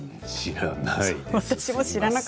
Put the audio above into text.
知らない。